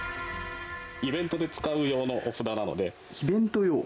イベントで使う用のお札なのイベント用？